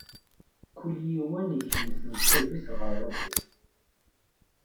Kul yiwen ikmes nnṣib-is ɣeṛ Ṛebbi.